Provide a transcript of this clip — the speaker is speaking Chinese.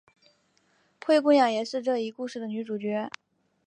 灰姑娘也是这一故事的女主角。